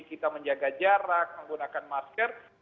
kita menjaga jarak menggunakan masker